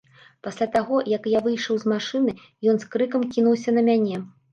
Пасля таго, як я выйшаў з машыны, ён з крыкам кінуўся на мяне.